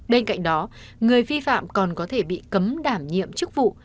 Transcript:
bên cạnh đó người vi phạm còn có thể bị cấm đảm nhiệm chức vụ